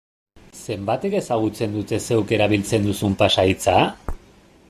Zenbatek ezagutzen dute zeuk erabiltzen duzun pasahitza?